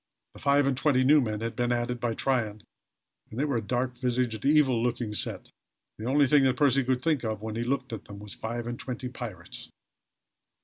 The five and twenty new men had been added by Tryon, and they were a dark visaged, evil eyed looking set. The only thing that Percy could think of when he looked at them, was five and twenty pirates!